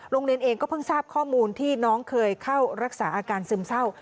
โรงเรียนเองก็เพิ่งทราบข้อมูลที่น้องเคยเข้ารักษาอาการซึมเศร้า